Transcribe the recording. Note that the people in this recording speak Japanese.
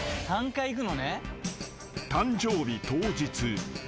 ［誕生日当日］